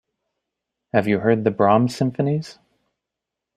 Have you heard the Brahms symphonies?